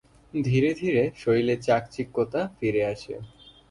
ধীরে ধীরে শরীরে চাক-চিক্যতা ফিরে আসে।